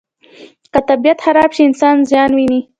که طبیعت خراب شي، انسان زیان ویني.